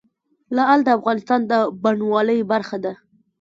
لعل د افغانستان د بڼوالۍ برخه ده.